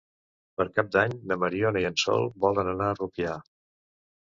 Per Cap d'Any na Mariona i en Sol volen anar a Rupià.